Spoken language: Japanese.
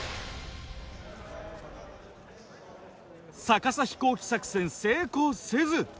逆さ飛行機作戦成功せず！